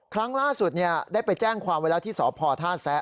ครั้งล่าสุดเนี่ยได้ไปแจ้งความเวลาที่สอบพอร์ธาตุแซะ